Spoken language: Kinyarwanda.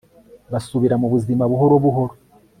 basubira mu buzima buhoro buhoro